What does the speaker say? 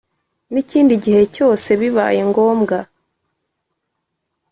n‘ikindi gihe cyose bibaye ngombwa